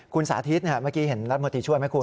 คุณศาธิตเนี่ยเมื่อกี้เห็นรัสโมติช่วยไหมคุณ